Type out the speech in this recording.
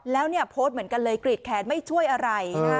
แล้วเนี่ยโพสต์เหมือนกันเลยกรีดแขนไม่ช่วยอะไรนะคะ